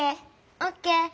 オッケー。